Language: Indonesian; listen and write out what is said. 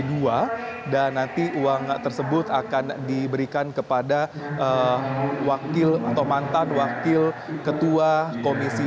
dan nanti uang tersebut akan diberikan kepada wakil atau mantan wakil ketua komisi dua